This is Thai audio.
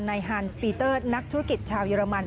ฮันสปีเตอร์นักธุรกิจชาวเยอรมัน